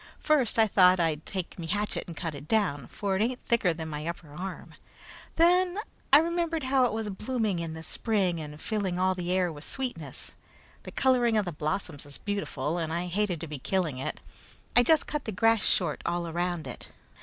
First I thought I'd take me hatchet and cut it down, for it ain't thicker than me upper arm. Then I remembered how it was blooming in the spring and filling all the air with sweetness. The coloring of the blossoms is beautiful, and I hated to be killing it. I just cut the grass short all around it.